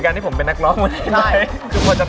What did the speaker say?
ผมจะเป็นนักร้องเมื่อกี้ไหม